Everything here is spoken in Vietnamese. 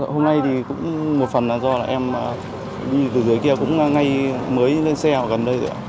hôm nay thì cũng một phần là do là em đi từ dưới kia cũng ngay mới lên xe gần đây rồi ạ